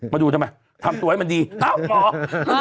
มาดูทำไมทำตัวให้มันดีเอ้าหมอ